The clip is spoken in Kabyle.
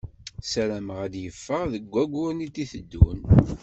Ssarameɣ ad d-yeffeɣ deg wayyuren i d-iteddun.